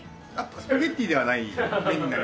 スパゲティではない麺になります。